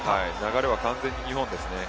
流れは完全に日本ですね。